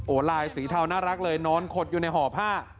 ลายสีเทาน่ารักเลยนอนขดอยู่ในห่อผ้า